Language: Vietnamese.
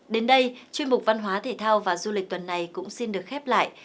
đến đây chuyên mục văn hóa thể thao và du lịch tuần này cũng xin được khép lại